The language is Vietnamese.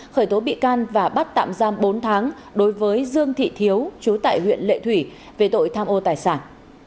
khởi tố bị can và bắt tạm giam bốn tháng đối với dương thị thiếu chú tại huyện lệ thủy về tội tham ô tài sản